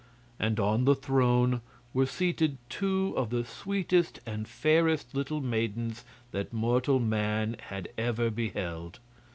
And on the thrones were seated two of the sweetest and fairest little maidens that mortal man had ever beheld.